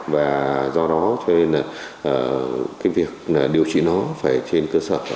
và do đó cho nên là cái việc điều trị nó phải trên cơ sở